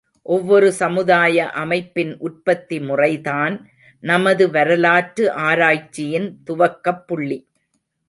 ஒவ்வொரு சமுதாய அமைப்பின் உற்பத்தி முறைதான் நமது வரலாற்று ஆராய்ச்சியின் துவக்கப்புள்ளி.